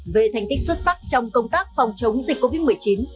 về thành tích xuất sắc trong công tác phòng chống dịch covid một mươi chín